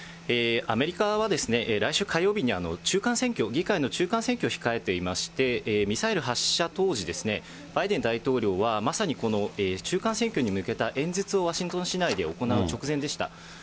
アメリカは、来週火曜日に中間選挙、議会の中間選挙を控えていまして、ミサイル発射当時、バイデン大統領は、まさにこの中間選挙に向けた演説をワシントン市内で行う直前でした。